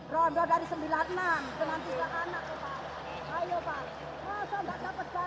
rondo dari sembilan puluh enam dengan tiga anak pak